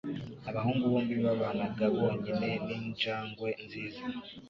Abahungu bombi babanaga bonyine ninjangwe nziza.